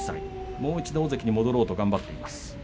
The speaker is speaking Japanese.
もう一度大関に戻ろうと頑張っています。